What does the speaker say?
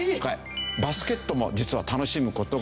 バスケットも実は楽しむ事ができる。